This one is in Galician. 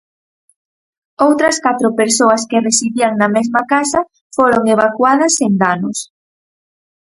Outras catro persoas que residían na mesma casa foron evacuadas sen danos.